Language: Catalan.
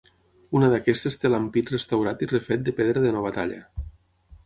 Una d'aquestes té l'ampit restaurat i refet de pedra de nova talla.